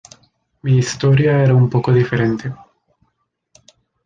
Mi historia era un poco diferente.